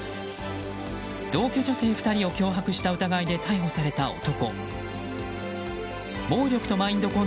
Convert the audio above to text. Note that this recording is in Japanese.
同居女性２人を脅迫した疑いで逮捕された男。